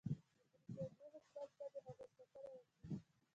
د برټانیې حکومت به د هغوی ساتنه وکړي.